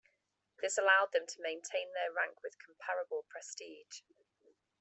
This allowed them to maintain their rank with comparable prestige.